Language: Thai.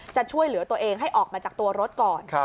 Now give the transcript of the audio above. จะช่วยเหลือตัวเองให้ออกมาจากตัวรถก่อน